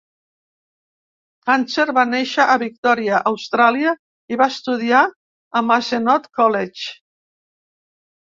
Hanzen va néixer a Victòria, Austràlia, i va estudiar al Mazenod College.